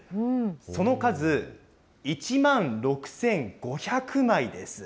その数、１万６５００枚です。